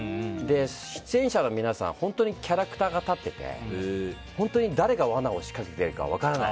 出演者の皆さんは本当にキャラクターが立ってて本当に誰が罠を仕掛けているか分からない。